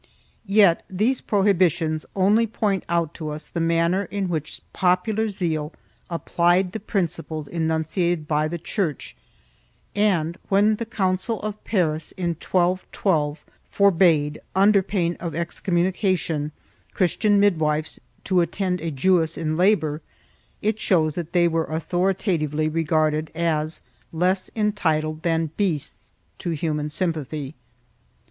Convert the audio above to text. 3 Yet these prohibitions only point out to us the manner in which popular zeal applied the principles enunciated by the Church and, when the council of Paris, in 1212, forbade, under pain of excommunication, Christian midwives to attend a Jewess in labor, it shows that they were authoritatively regarded as less entitled than beasts to human sympathy.